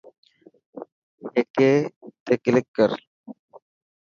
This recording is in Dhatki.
هيڪي تي ڪلڪ ڪر.